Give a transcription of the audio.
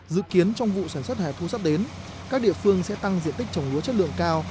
dự kiến trong vụ sản xuất hải thu sắp đến các địa phương sẽ tăng diện tích trồng lúa chất lượng cao